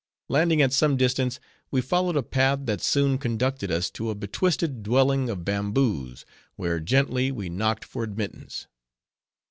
Landing at some distance, we followed a path that soon conducted us to a betwisted dwelling of bamboos, where, gently, we knocked for admittance.